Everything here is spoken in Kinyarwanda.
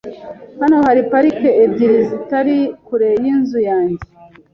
Hano hari parike ebyiri zitari kure yinzu yanjye.